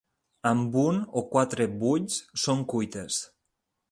Amb un o quatre bull/s són cuites.